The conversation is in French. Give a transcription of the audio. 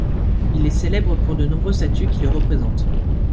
Il est célèbre pour de nombreuses statues qui le représentent.